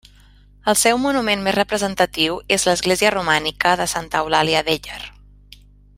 El seu monument més representatiu és l'església romànica de Santa Eulàlia d'Éller.